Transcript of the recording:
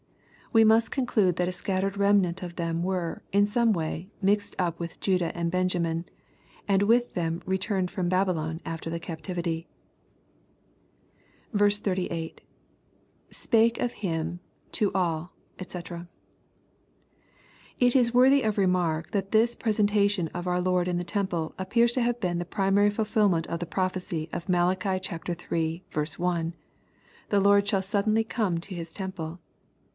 We must conclude that a scattered remnant of them were, in some way, mixed up with Judah and Benjamiui and with them returned from Babylon after the captivity. 88. — [SpaJee of £Km ,,.io oS, <3&c] It is worthy of remark, that this presentation of our Lonl in the temple, appears to have been the primary fulfilment of the prophecy of Malachi iiL 1, " The Lord shall suddenly come to his temple."